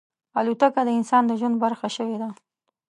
الوتکه د انسان د ژوند برخه شوې ده.